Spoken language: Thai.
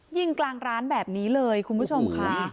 ยิงกลางร้านแบบนี้เลยคุณผู้ชมค่ะ